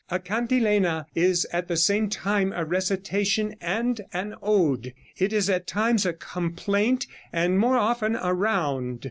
A cantilena is at the same time a recitation and an ode. It is at times a complaint and more often a round.